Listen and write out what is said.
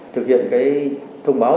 thực hiện cái thông báo